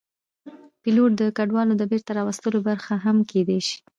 پیلوټ د کډوالو د بېرته راوستلو برخه هم کېدی شي.